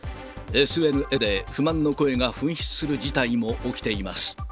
ＳＮＳで不満の声が噴出する事態も起きています。